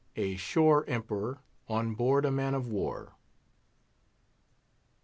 A SHORE EMPEROR ON BOARD A MAN OF WAR.